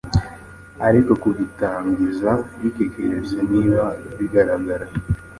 Ariko kubitangiza bikekeretse niba bigaragara